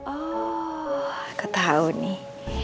oh ketahu nih